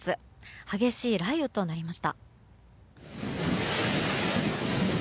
激しい雷雨となりました。